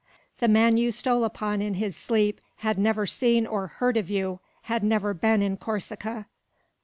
"The man you stole upon in his sleep had never seen or heard of you, had never been in Corsica."